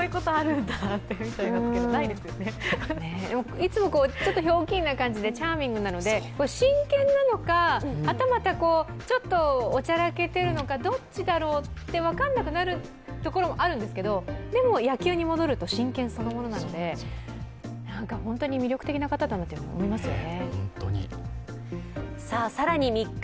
いつもちょっとひょうきんな感じでチャーミングなので真剣なのか、はたまたちょっとおちゃらけているのか、どっちだろうと分からなくなるところもあるんですけど、でも野球に戻ると真剣そのものなので本当に魅力的な方だなと思いますよね。